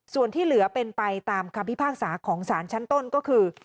ส่วนที่เหลือเป็นไปตามคำพิพากษาของสารชั้นต้นก็คือ